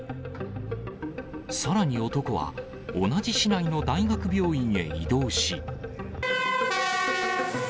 さらに男は、同じ市内の大学病院へ移動し。